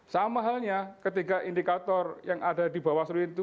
sama halnya ketika indikator yang ada di bawah seluruh itu